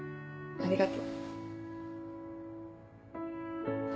ありがと。